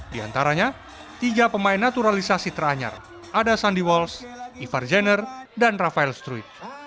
di antaranya tiga pemain naturalisasi teranyar ada sandy wals ivar jenner dan rafael struit